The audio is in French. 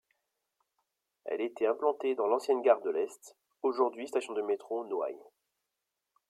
Elle était implantée dans l'ancienne gare de l'Est, aujourd'hui station de métro Noailles.